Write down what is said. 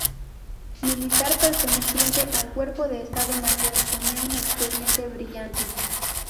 Militar perteneciente al cuerpo de Estado Mayor, tenía un expediente brillante.